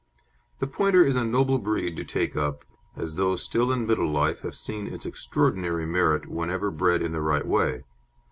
The Pointer is a noble breed to take up, as those still in middle life have seen its extraordinary merit whenever bred in the right way.